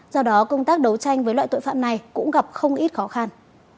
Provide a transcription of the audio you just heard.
do đó công tác đấu tranh với loại tội phạm này cũng gặp không ít khó khăn